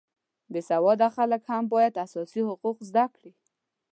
بې سواده خلک هم باید اساسي حقوق زده کړي